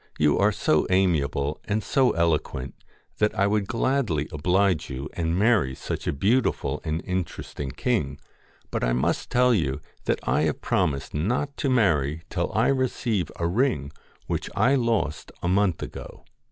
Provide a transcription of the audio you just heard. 'You are so amiable and so eloquent, that I would gladly oblige you and marry such a beautiful and interesting king, but I must tell you that I have promised not to marry till I receive a ring which I lost a month ago.